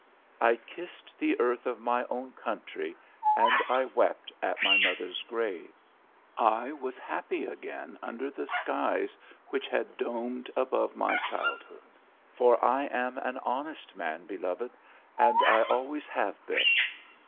I kissed the earth of my own country, and I wept at my mother's grave. I was happy again under the skies which had domed above my childhood. For I am an honest man, beloved, and I always have been.